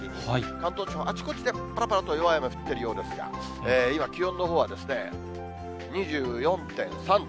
関東地方、あちこちでぱらぱらと弱い雨、降っているようですが、今、気温のほうは２４．３度。